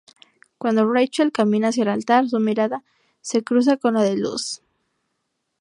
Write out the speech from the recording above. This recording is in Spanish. Cuando Rachel camina hacia el altar, su mirada se cruza con la de Luce.